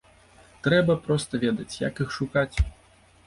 Трэба проста ведаць, як іх шукаць.